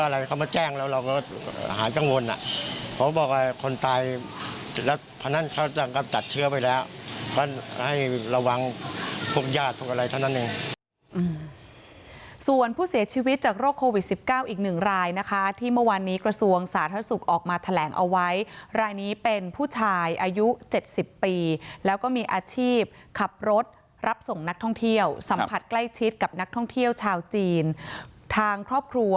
แล้วเพราะฉะนั้นเขาก็จัดเชื้อไปแล้วก็ให้ระวังพวกญาติพวกอะไรเท่านั้นหนึ่งอืมส่วนผู้เสียชีวิตจากโรคโควิดสิบเก้าอีกหนึ่งรายนะคะที่เมื่อวานนี้กระทรวงสาธารณสุขออกมาแถลงเอาไว้รายนี้เป็นผู้ชายอายุเจ็ดสิบปีแล้วก็มีอาชีพขับรถรับส่งนักท่องเที่ยวสัมผัสใกล้ชิดกับนักท่องเที่ยวชาว